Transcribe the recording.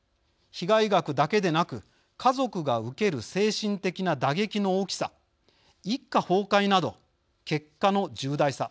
被害額だけでなく家族が受ける精神的な打撃の大きさ一家崩壊など結果の重大さ。